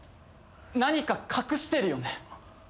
何か隠してるよね？